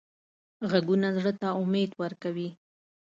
غږونه زړه ته امید ورکوي